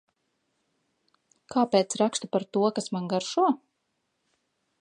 Kāpēc rakstu par to, kas man garšo?